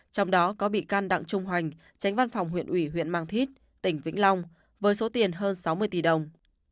trong đó có bị can đặng trung hoành tránh văn phòng huyện ủy huyện mang thít tỉnh vĩnh long với số tiền hơn sáu mươi tỷ đồng